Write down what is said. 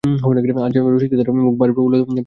আজ যে রসিকদাদার মুখ ভারি প্রফুল্ল দেখাচ্ছে?